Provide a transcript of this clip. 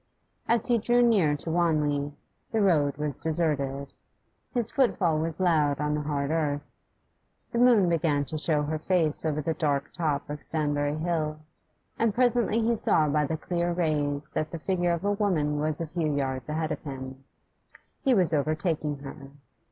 As he drew near to Wanley, the road was deserted; his footfall was loud on the hard earth. The moon began to show her face over the dark top of Stanbury Hill, and presently he saw by the clear rays that the figure of a woman was a few yards ahead of him; he was overtaking her.